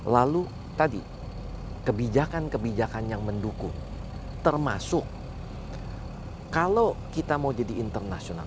lalu tadi kebijakan kebijakan yang mendukung termasuk kalau kita mau jadi internasional